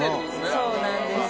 そうなんです